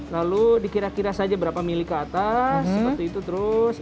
lalu dikira kira saja berapa mili ke atas seperti itu terus